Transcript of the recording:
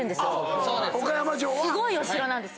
すごいお城なんです。